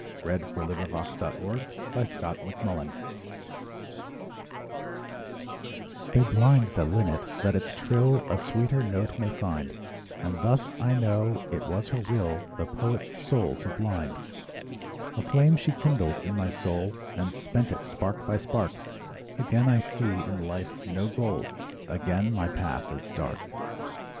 . SONGS AND DREAMS Like a Linnet They blind the linnet that its trill A sweeter note may find, And thus, I know, it was her will The poet's soul to blind. A flame she kindled in my soul And spent it spark by spark; Again I see in life no goal, Again my path is dark.